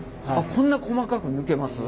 こんな細かく抜けます？